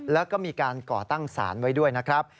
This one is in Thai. แล้วก็มีการก่อตั้งศาลไว้ด้วยนะครับ